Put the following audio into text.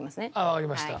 わかりました。